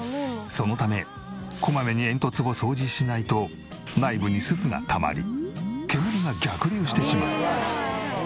そのためこまめに煙突を掃除しないと内部に煤がたまり煙が逆流してしまう。